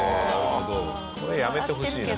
これやめてほしいな。